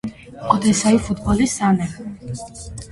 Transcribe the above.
Օդեսայի ֆուտբոլի սան է։